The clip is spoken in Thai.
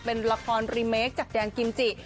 เป็นละครรีเมคจากแดนกิมจิ